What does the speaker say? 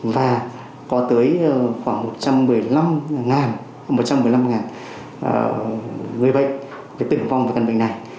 và có tới khoảng một trăm một mươi năm người bệnh tỉnh vong với căn bệnh này